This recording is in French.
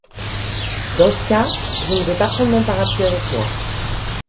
Dans ce cas, je ne vais pas prendre mon parapluie avec moi.